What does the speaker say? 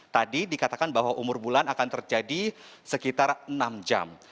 tadi dikatakan bahwa umur bulan akan terjadi sekitar enam jam